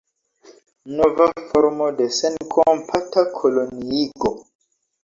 Nova formo de senkompata koloniigo.